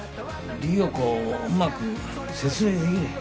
理代子をうまく説明できねえ。